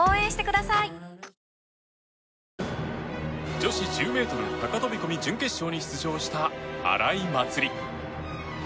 女子１０ｍ高飛込準決勝に出場した荒井祭里。